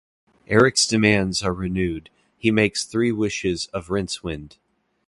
Eric's demands are renewed; he makes three wishes of Rincewind.